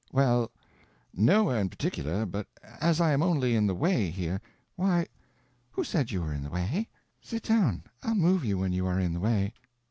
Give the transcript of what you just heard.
"Well—nowhere in particular, but as I am only in the way here—" "Why, who said you were in the way? Sit down—I'll move you when you are in the way."